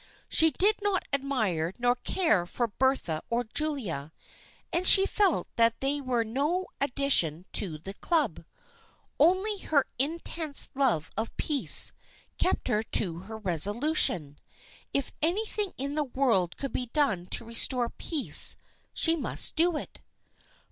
She did not admire nor care for Bertha or Julia, and she felt that they were no addition to the Club. Only her in tense love of peace kept her to her resolution. If anything in the world could be done to restore peace, she must do it.